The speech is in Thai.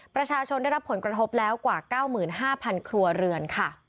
ประชาชนได้รับผลกระทบแล้วกว่า๙๕๐๐ครัวเรือนค่ะ